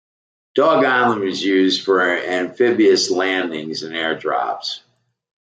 Dog Island was used for amphibious landings and airdrops.